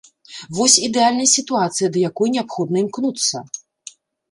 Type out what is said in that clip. Вось ідэальная сітуацыя, да якой неабходна імкнуцца.